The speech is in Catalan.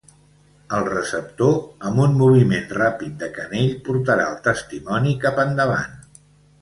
El receptor, amb un moviment ràpid de canell portarà el testimoni cap endavant.